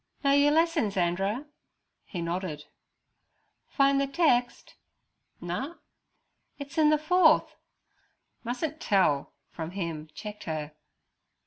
'Know yer lessins, Anderer?' He nodded. 'Find ther text?' 'Nuh.' 'It's in ther fourth—' 'Mus'n't tell' from him checked her.